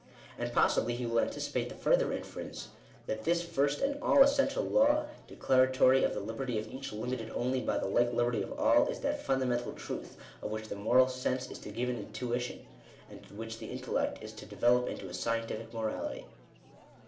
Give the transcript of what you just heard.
And possibly he will anticipate the further inference, that this first and all essential law, declaratory of the liberty of each limited only by the like Digitized by VjOOQIC SECONDARY DERIVATION OF A FIRST PRINCIPLE. 91 liberty of all, is that fundamental truth of which the moral sense is to give an intuition, and which the intellect is to develop into a scientific morality.